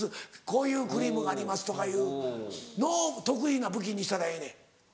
こういうクリームがあります」とかいうのを得意な武器にしたらええねん。